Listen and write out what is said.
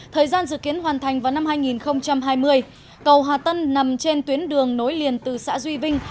thời gian dự kiến hoàn thành vào năm hai nghìn hai mươi cầu hà tân nằm trên tuyến đường nối liền từ xã duy vinh